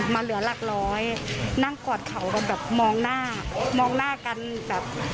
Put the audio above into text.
เหลือหลักร้อยนั่งกอดเขากันแบบมองหน้ามองหน้ากันแบบ